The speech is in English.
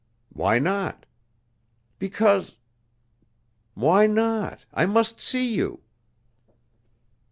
"Why not?" "Because " "Why not? I must see you."